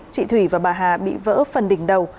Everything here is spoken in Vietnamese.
chị thủy và bà hà bị vỡ phần đỉnh đầu